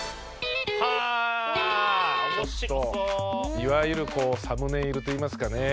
いわゆるこうサムネイルといいますかね